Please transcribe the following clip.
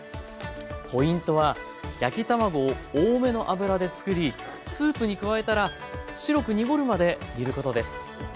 ポイントは焼き卵を多めの油でつくりスープに加えたら白く濁るまで煮ることです。